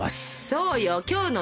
そうよ今日のね